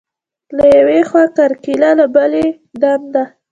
له یوې خوا کرکیله، له بلې دنده.